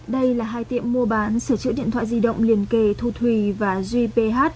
đây là hai tiệm mua bán sửa chữa điện thoại di động liền kề thu thùy và duy ph